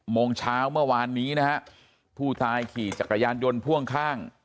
โมงเช้าเมื่อวานนี้นะฮะผู้ตายขี่จักรยานยนต์พ่วงข้าง